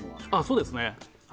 そうですね。